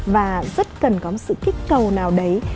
và rất cần có một sự kích cầu nào đấy